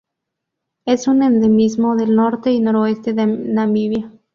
Es un endemismo del norte y noroeste de Namibia.